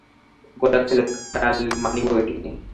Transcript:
গোরা কহিল, মানি বৈকি।